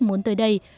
muốn tới đây